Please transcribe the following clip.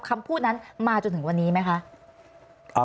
คำพูดนั้นมาจนถึงวันนี้ไหมคะ